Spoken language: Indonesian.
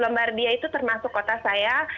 lembardia itu termasuk kota saya